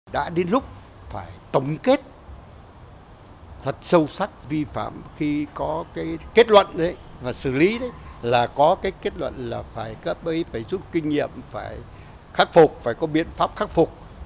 đã đến lúc phải tổng kết thật sâu sắc vi phạm khi có cái kết luận đấy và xử lý đấy là có cái kết luận là phải giúp kinh nghiệm phải khắc phục phải có biện pháp khắc phục